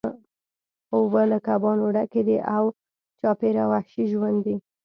اوبه له کبانو ډکې دي او چاپیره وحشي ژوند دی